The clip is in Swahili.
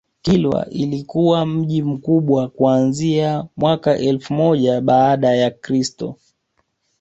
Kilwa ilikuwa mji mkubwa kuanzia mwaka elfu moja baada ya Kristo